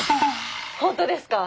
本当ですか！